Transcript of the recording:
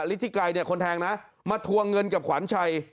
ฤทธิไกรเนี่ยคนแทงนะมาทวงเงินกับขวัญชัย